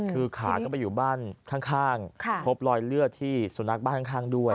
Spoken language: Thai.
คือขาก็ไปอยู่บ้านข้างพบรอยเลือดที่สุนัขบ้านข้างด้วย